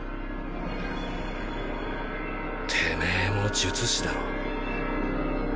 てめぇも術師だろ。